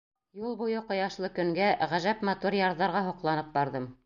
Юл буйы ҡояшлы көнгә, ғәжәп матур ярҙарға һоҡланып барҙым.